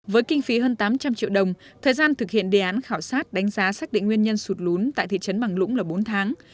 với kinh phí hơn tám trăm linh triệu đồng thời gian thực hiện đề án khảo sát đánh giá xác định nguyên nhân sụt lún tại thị trấn bằng lũng là bốn tháng